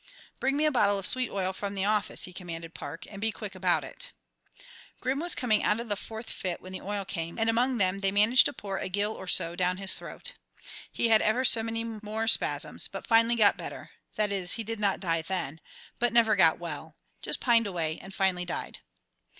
"Bring me a bottle of sweet oil from the office," he commanded Park, "and be quick about it." Grim was coming out of the fourth fit when the oil came, and among them they managed to pour a gill or so down his throat. He had ever so many more spasms, but finally got better; that is, he did not die then, but never got well; just pined away and finally died.